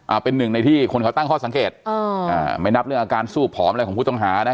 เป็นหนึ่งในที่คนเขาตั้งข้อสังเกตอ่าอ่าไม่นับเรื่องอาการสู้ผอมอะไรของผู้ต้องหานะ